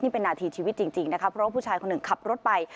เป็นนาทีชีวิตจริงนะคะเพราะว่าผู้ชายคนหนึ่งขับรถไป